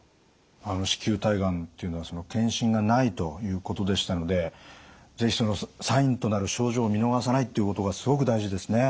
子宮体がんっていうのは検診がないということでしたので是非そのサインとなる症状を見逃さないっていうことがすごく大事ですね。